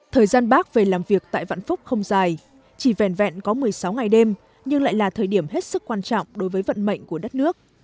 thời gian bác về làm việc tại vạn phúc không dài chỉ vẻn vẹn có một mươi sáu ngày đêm nhưng lại là thời điểm hết sức quan trọng đối với vận mệnh của đất nước